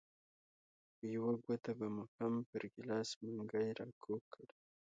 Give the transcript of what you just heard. په یوه ګوته به مو هم پر ګیلاس منګی راکوږ کړ.